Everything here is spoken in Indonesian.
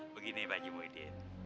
begini pak haji muhyiddin